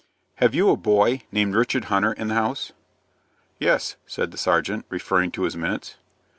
"Have you a boy, named Richard Hunter, in the house?" "Yes," said the sergeant, referring to his minutes.